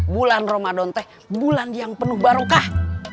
bulan ramadan teh bulan yang penuh barokah